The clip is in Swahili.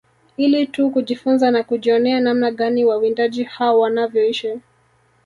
Ili tu kujifunza na kujionea namna gani wawindaji hao wanavyoishi